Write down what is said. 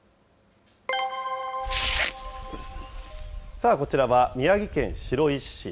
さあこちらは、宮城県白石市。